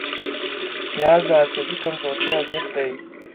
پیاز د عصبي کمزورتیا ضد دی